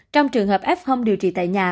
trong trường hợp f điều trị tại nhà